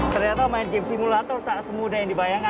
ternyata main game simulator tak semudah yang dibayangkan